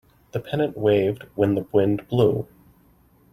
The pennant waved when the wind blew.